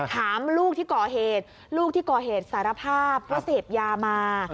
ถามลูกที่ก่อเหตุลูกที่ก่อเหตุสารภาพว่าเสพยามา